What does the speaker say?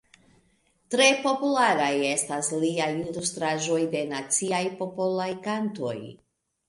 Tre popularaj estas liaj ilustraĵoj de naciaj popolaj kantoj.